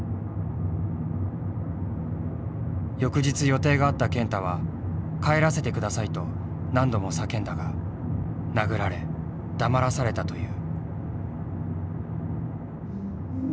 翌日予定があった健太は帰らせてくださいと何度も叫んだが殴られ黙らされたという。